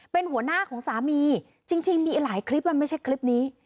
เป็นหัวหน้าของสามีจริงมีหลายคลิปมันไม่ใช่คลิปนี้